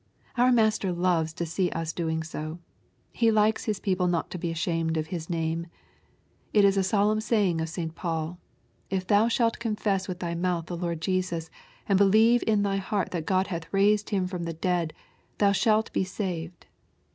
Our Master loves to see us doing so. He likes His people not to be ashamed of His name. It is a solemn saying of St. Paul, ^^ If thou shalt confess with thy mouth the Lord Jesus, and believe in thy heart that God hath raised Him from the dead, thou shalt be saved.''